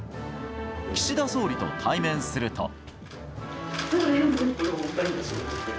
岸田総理と対面すると。